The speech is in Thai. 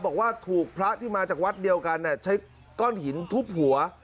บอกว่าถูกพระที่มาจากวัดเดียวกันใช้ก้อนหินทุบหัว